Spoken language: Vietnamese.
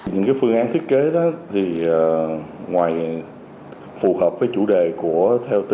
những phương án thiết kế đó thì phù hợp với chủ đề của